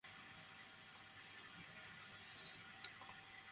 আমরা অপেক্ষা করব।